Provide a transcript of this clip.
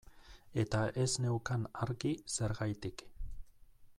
Eta ez neukan argi zergatik.